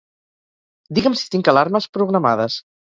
Digue'm si tinc alarmes programades.